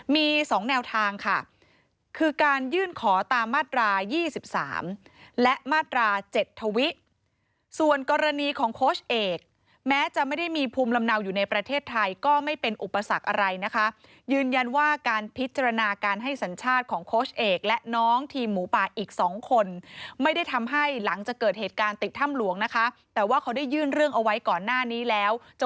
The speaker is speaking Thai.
มี๒แนวทางค่ะคือการยื่นขอตามมาตรา๒๓และมาตรา๗ทวิส่วนกรณีของโค้ชเอกแม้จะไม่ได้มีภูมิลำเนาอยู่ในประเทศไทยก็ไม่เป็นอุปสรรคอะไรนะคะยืนยันว่าการพิจารณาการให้สัญชาติของโค้ชเอกและน้องทีมหมูป่าอีก๒คนไม่ได้ทำให้หลังจากเกิดเหตุการณ์ติดถ้ำหลวงนะคะแต่ว่าเขาได้ยื่นเรื่องเอาไว้ก่อนหน้านี้แล้วจะ